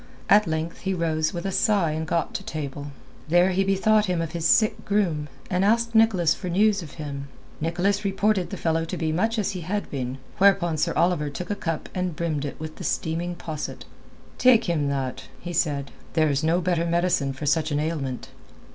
At length he rose with a sigh and got to table. There he bethought him of his sick groom, and asked Nicholas for news of him. Nicholas reported the fellow to be much as he had been, whereupon Sir Oliver took up a cup and brimmed it with the steaming posset. "Take him that," he said. "There's no better medicine for such an ailment."